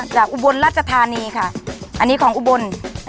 อุบลราชธานีค่ะอันนี้ของอุบล